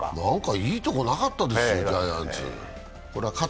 いいところなかったですよ、ジャイアンツ。